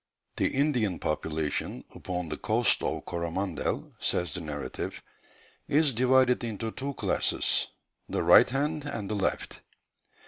"The Indian population upon the coast of Coromandel," says the narrative, "is divided into two classes, the 'right hand' and the 'left.'